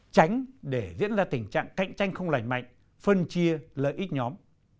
tránh để diễn ra tình trạng cạnh tranh không lành mạnh phân chia lợi ích nhóm